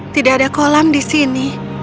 tidak ada kolam di sini